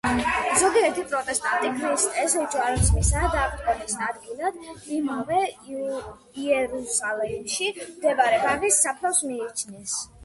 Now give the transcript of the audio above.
ზოგიერთი პროტესტანტი ქრისტეს ჯვარცმისა და აღდგომის ადგილად, იმავე იერუსალიმში მდებარე ბაღის საფლავს მიიჩნევს.